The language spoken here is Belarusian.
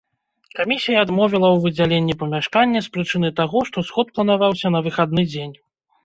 Камісія адмовіла ў выдзяленні памяшкання з прычыны таго, што сход планаваўся на выхадны дзень.